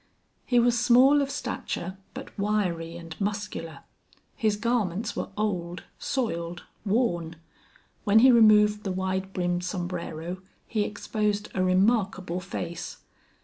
He was small of stature, but wiry and muscular. His garments were old, soiled, worn. When he removed the wide brimmed sombrero he exposed a remarkable face.